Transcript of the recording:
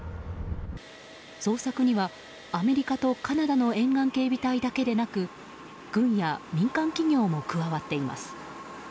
捜索には、アメリカとカナダの沿岸警備隊だけでなく軍や民間企業も加わっています。